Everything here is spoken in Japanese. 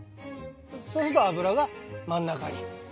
そうすると油が真ん中にはまるわけ。